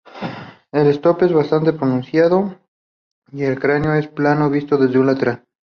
El stop es bastante pronunciado y el cráneo es plano visto desde un lateral.